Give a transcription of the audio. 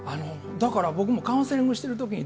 だから、僕もカウンセリングしてるときに、